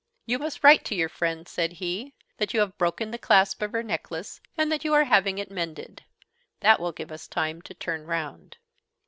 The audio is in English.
"You must write to your friend," said he, "that you have broken the clasp of her necklace and that you are having it mended. That will give us time to turn round."